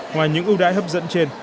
ngoài những ưu đãi hấp dẫn trên